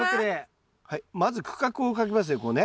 はいまず区画を描きますねこうね。